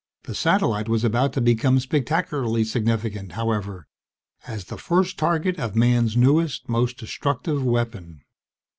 The satellite was about to become spectacularly significant, however, as the first target of man's newest, most destructive weapon.